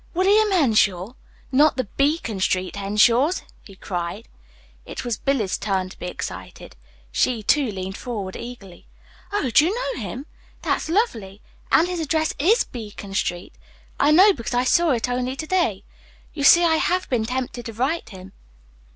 "William Henshaw! Not the Beacon Street Henshaws!" he cried. It was Billy's turn to be excited. She, too, leaned forward eagerly. "Oh, do you know him? That's lovely! And his address IS Beacon Street! I know because I saw it only to day. You see, I HAVE been tempted to write him."